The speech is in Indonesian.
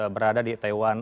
berada di itaewon